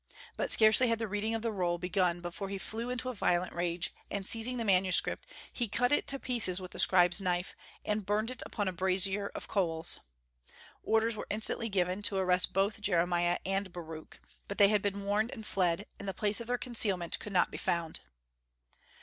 But scarcely had the reading of the roll begun before he flew into a violent rage, and seizing the manuscript he cut it to pieces with the scribe's knife, and burned it upon a brazier of coals. Orders were instantly given to arrest both Jeremiah and Baruch; but they had been warned and fled, and the place of their concealment could not be found.